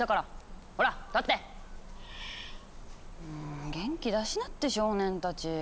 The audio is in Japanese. ん元気出しなって少年たち。